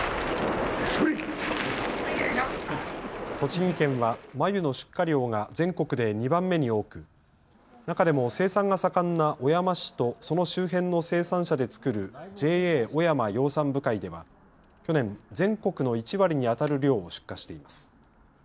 栃木県は繭の出荷量が全国で２番目に多く中でも生産が盛んな小山市とその周辺の生産者で作るＪＡおやま養蚕部会では去年、全国の１割にあたる量を出荷しています。